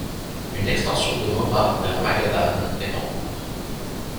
Une extension de Moma vers Magadan est en cours.